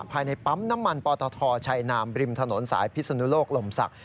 ภายในปั๊มน้ำมันปตทชัยนามริมถนนสายพิศนุโลกลมศักดิ